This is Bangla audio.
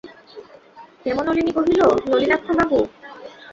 হেমনলিনী কহিল, নলিনাক্ষবাবু!